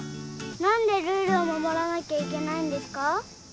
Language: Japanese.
何でルールを守らなきゃいけないんですか？